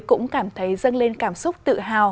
cũng cảm thấy dâng lên cảm xúc tự hào